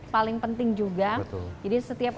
paling penting juga jadi setiap